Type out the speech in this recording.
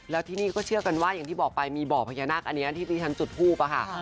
แล้วที่นี่ก็เชื่อกันว่าอย่างที่บอกไปมีบ่อพญานาคอันนี้ที่ฉันจุดทูปอะค่ะ